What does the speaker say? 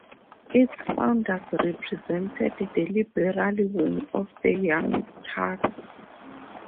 Its founders represented the liberal wing of the Young Turks.